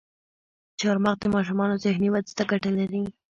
چارمغز د ماشومانو ذهني ودې ته ګټه لري.